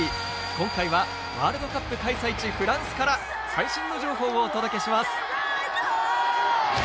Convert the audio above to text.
今回は、ワールドカップ開催地フランスから最新の情報をお届けします。